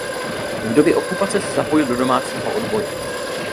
V době okupace se zapojil do domácího odboje.